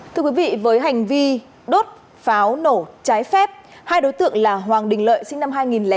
thưa quý vị với hành vi đốt pháo nổ trái phép hai đối tượng là hoàng đình lợi sinh năm hai nghìn chín